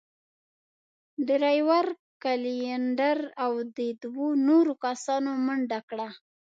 ډرېور، کلينر او دوو نورو کسانو منډه کړه.